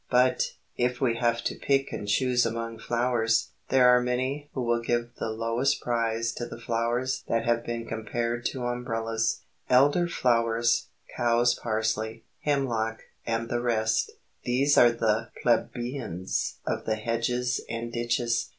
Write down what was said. But, if we have to pick and choose among flowers, there are many who will give the lowest prize to the flowers that have been compared to umbrellas elder flowers, cow's parsley, hemlock, and the rest. These are the plebeians of the hedges and ditches.